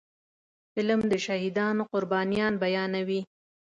فلم د شهیدانو قربانيان بیانوي